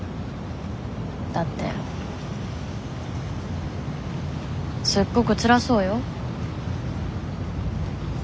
だってすっごくつらそうよ。